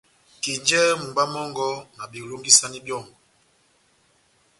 Kenjɛhɛ mumba mɔngɔ, na belongisani byɔ́ngɔ,